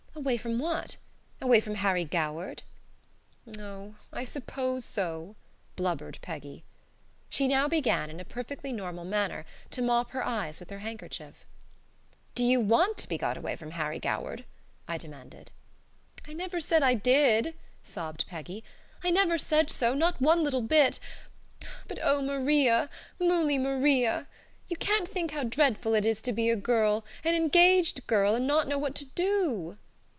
"Away from what? Away from Harry Goward?" "Oh, I suppose so," blubbered Peggy. She now began, in a perfectly normal manner, to mop her eyes with her handkerchief. "Do you want to be got away from Harry Goward?" I demanded. "I never said I did," sobbed Peggy. "I never said so, not one little bit. But oh, Maria! Moolymaria! You can't think how dreadful it is to be a girl, an engaged girl, and not know what to do!"